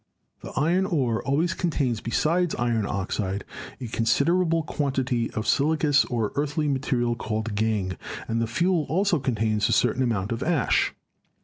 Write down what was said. The iron ore always contains besides iron oxide a con siderable quantity of silicious or earthy material called gangue, and the fuel also contains a certain amount of ash.